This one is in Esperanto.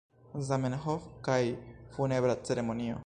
Zamenhof kaj la Funebra Ceremonio.